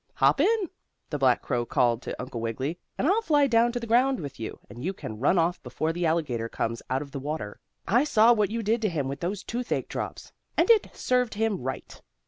"Hop in!" the black crow called to Uncle Wiggily, "and I'll fly down to the ground with you, and you can run off before the alligator comes out of the water. I saw what you did to him with those toothache drops, and it served him right.